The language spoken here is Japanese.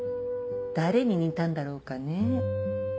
誰に似たんだろうかね？